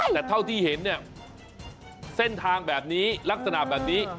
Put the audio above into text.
แต่เท่าที่เห็นเนี่ยเส้นทางแบบนี้ลักษณะแบบนี้